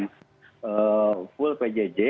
kita akan lakukan evaluasi kembali